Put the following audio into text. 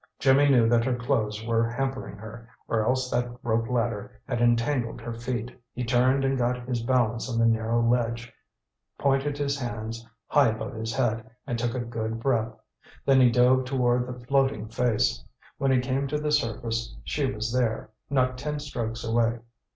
Jimmy knew that her clothes were hampering her, or else that the rope ladder had entangled her feet. He turned and got his balance on the narrow ledge, pointed his hands high above his head, and took a good breath. Then he dove toward the floating face. When he came to the surface she was there, not ten strokes away.